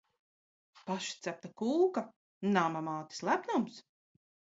Pašcepta kūka! Nama mātes lepnums!